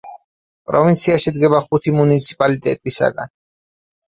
პროვინცია შედგება ხუთი მუნიციპალიტეტისაგან.